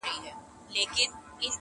• ویل ژر مي وېښتان جوړ که زما تلوار دی -